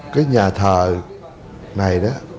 cái nhà thờ này đó